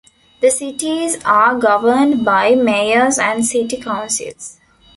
The cities are governed by mayors and city councils.